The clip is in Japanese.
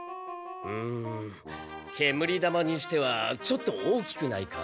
うん煙玉にしてはちょっと大きくないか？